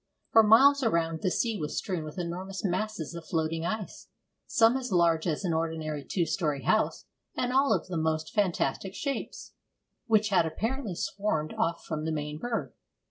For miles around, the sea was strewn with enormous masses of floating ice, some as large as an ordinary two story house, and all of the most fantastic shapes, which had apparently swarmed off from the main berg.